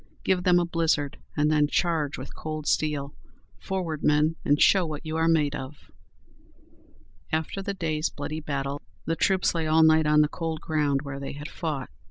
Give them a blizzard and then charge with cold steel! Forward, men, and show what you are made of!" After the day's bloody battle, the troops lay all night on the cold ground where they had fought.